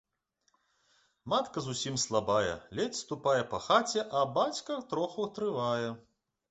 Матка зусім слабая, ледзь ступае па хаце, а бацька троху трывае.